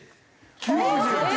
９９？